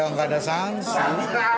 ya enggak ada sansing